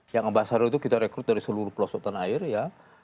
yang ambasador itu kita rekrut dari seluruh pelosok tanah air ya